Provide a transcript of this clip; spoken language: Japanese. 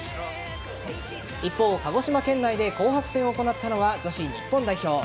一方、鹿児島県内で紅白戦を行ったのは女子日本代表。